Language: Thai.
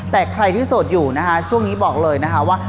แต่ใครที่โสดอยู่นะคะช่วงนี้บอกเลยนะคะว่า